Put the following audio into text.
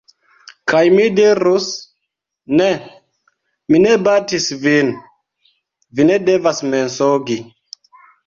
Kaj mi dirus: "Ne! Mi ne batis vin, vi ne devas mensogi!"